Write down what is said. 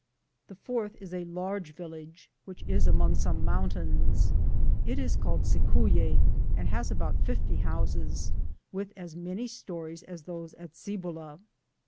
The fourth is a large village which is among Bome mountains. It is called Cicuic, and has about 50 houses, with aa many stories aa those at Cibola.